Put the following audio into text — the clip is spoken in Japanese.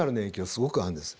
すごくあるんです。